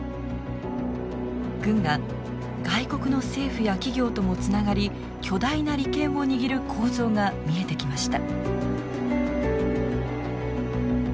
軍が外国の政府や企業ともつながり巨大な利権を握る構造が見えてきました。